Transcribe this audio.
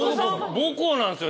母校なんですよ